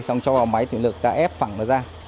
xong cho vào máy thủy lược ta ép phẳng nó ra